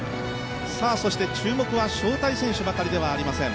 そして注目は招待選手ばかりではありません。